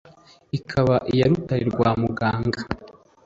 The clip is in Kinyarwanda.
Ikaba iya Rutare rwa Muganga